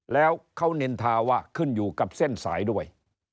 แล้วเขานินทาว่าขึ้นอยู่กับเส้นสายด้วย